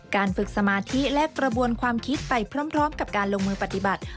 การฝึกสมาธิและกระบวนความคิดไปพร้อมกับการลงมือปฏิบัติ